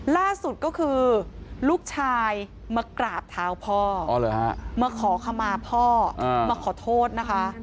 ล่าสุดก็คือลูกชายมากราบเท้าพ่อมาขอขมาพ่อมาขอโทษนะคะ